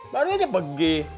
baru aja pergi